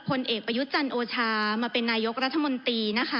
ผลเอกประยุจรรย์โอชามาเป็นนายกรัฐมนตรีนะคะ